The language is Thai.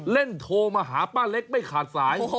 โทรมาหาป้าเล็กไม่ขาดสาย